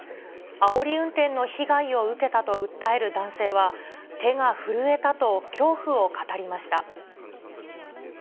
あおり運転の被害を受けたと訴える男性は、手が震えたと恐怖を語りました。